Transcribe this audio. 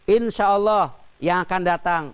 insya allah yang akan datang